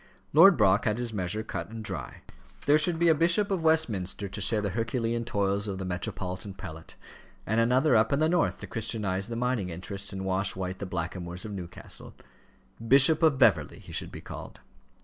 Lord Brock had his measure cut and dry. There should be a Bishop of Westminster to share the Herculean toils of the metropolitan prelate, and another up in the North to Christianize the mining interests and wash white the blackamoors of Newcastle: Bishop of Beverley he should be called.